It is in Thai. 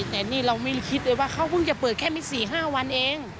แต่นี่เราไม่คิดเลยว่าเขาเพิ่งจะเปิดแค่ไม่๔๕วันเอง